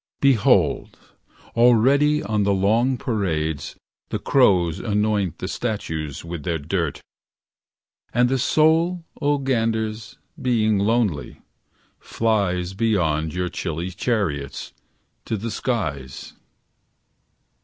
Behold, already on the long parades The crows anoint the statues with their dirt. And the soul, 0 ganders, being lonely, flies Beyond your chilly chariots, to the skies.